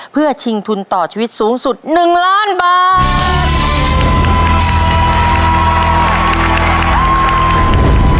เพื่อชิงทุนต่อชีวิตสูงสุด๑ล้านบาท